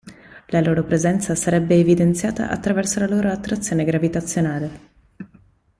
La loro presenza sarebbe evidenziata attraverso la loro attrazione gravitazionale.